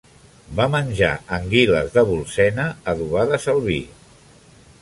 Va menjar anguiles de Bolsena adobades al vi.